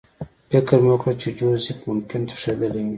فکر مې وکړ چې جوزف ممکن تښتېدلی وي